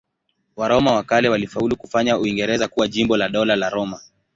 Waroma wa kale walifaulu kufanya Uingereza kuwa jimbo la Dola la Roma.